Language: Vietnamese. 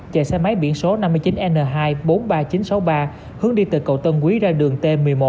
chạy xe máy biển số năm mươi chín n hai bốn mươi ba nghìn chín trăm sáu mươi ba hướng đi từ cầu tân quý ra đường t một mươi một